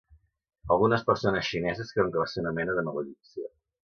Algunes persones xineses creuen que va ser una mena de maledicció.